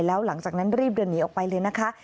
แล้วหลังจากนั้นรีบเดินหนีออกไปเลยนะคะ